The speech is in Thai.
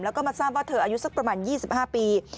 แล้วก็มาทราบว่าเธออายุสักประมาณ๒๕ปี